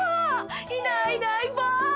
いないいないばあ。